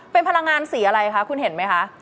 เป็นพลังงานสีอะไรคะคุณเห็นไหมคะ